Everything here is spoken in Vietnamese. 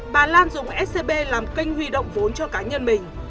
bà lan dùng scb làm kênh huy động vốn cho cá nhân mình